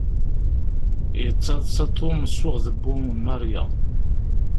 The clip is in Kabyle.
Yettaḍsa Tom s uɣdebbu n Maria.